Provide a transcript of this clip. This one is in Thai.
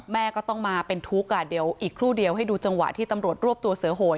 แม่ก็ต้องมาเป็นทุกข์เดี๋ยวอีกครู่เดียวให้ดูจังหวะที่ตำรวจรวบตัวเสือโหย